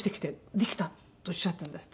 「できた！」とおっしゃったんですって。